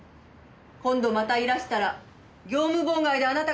今度またいらしたら業務妨害であなた方を訴えます！